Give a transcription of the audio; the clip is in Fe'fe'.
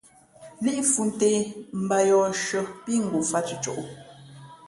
Líʼ fhʉ̄ ntē mbāt yōh shʉ̄ᾱ pí ngofāt cʉ̄cǒ.